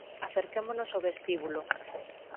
Acerquémonos ó vestíbulo.